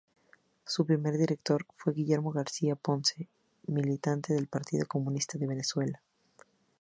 Su primer director fue Guillermo García Ponce militante del Partido Comunista de Venezuela.